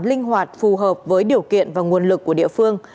linh hoạt phù hợp với điều kiện và nguồn lực của địa phương